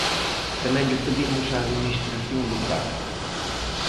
Tamén llo pedimos á Administración local.